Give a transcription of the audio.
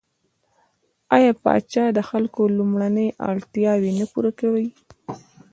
پاچا د خلکو لومړنۍ اړتياوې نه پوره کوي.